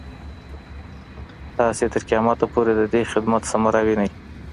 تاسي تر قیامته پوري د دې خدمت ثمره وینئ.